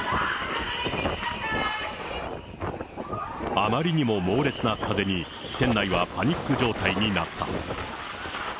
あまりにも猛烈な風に、店内はパニック状態になった。